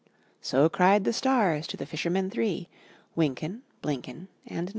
So cried the stars to the fishermen three; Wynken, BIynken, and Nod.